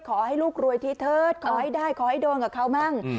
ขอให้ลูกรวยทีเถิดขอให้ได้ขอให้โดนกับเขามั่ง